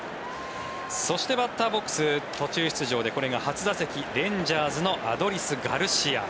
そしてバッターボックス途中出場でこれが初打席レンジャーズのアドリス・ガルシア。